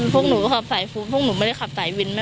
พวกหนูขับสายฟู้พวกหนูไม่ได้ขับสายวินแม่